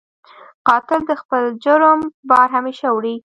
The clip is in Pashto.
قاتل د خپل جرم بار همېشه وړي